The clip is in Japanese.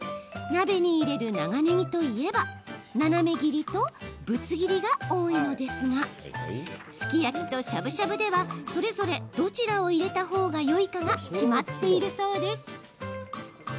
鍋に入れる長ねぎといえば斜め切りとぶつ切りが多いのですがすき焼きとしゃぶしゃぶではそれぞれどちらを入れた方がよいかが決まっているそうです。